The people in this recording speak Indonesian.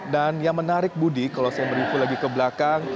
dan yang menarik budi kalau saya menurut lagi ke belakang